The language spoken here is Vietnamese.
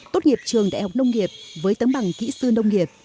tốt nghiệp trường đại học nông nghiệp với tấm bằng kỹ sư nông nghiệp